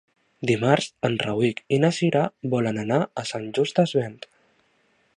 Dimarts en Rauric i na Cira volen anar a Sant Just Desvern.